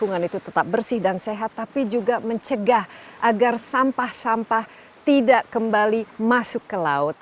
agar sampah sampah tidak kembali masuk ke laut